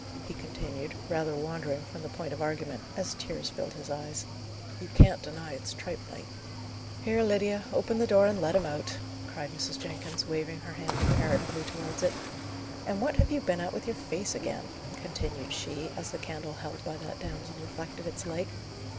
he continued, rather wandering from the point of argument, as tears filled his eyes. "You can't deny as it's tripe night." "Here, Lydia, open the door and let him out," cried Mrs. Jenkins, waving her hand imperatively towards it. "And what have you been at with your face again?" continued she, as the candle held by that damsel reflected its light.